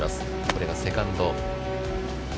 これがセカンド。